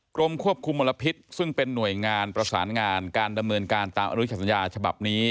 กรมควบคุมมลพิษซึ่งเป็นหน่วยงานประสานงานการดำเนินการตามอนุชสัญญาฉบับนี้